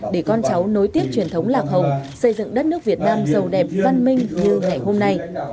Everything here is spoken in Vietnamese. để con cháu nối tiếp truyền thống lạc hồng xây dựng đất nước việt nam giàu đẹp văn minh như ngày hôm nay